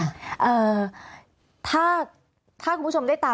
มีความรู้สึกว่าเสียใจ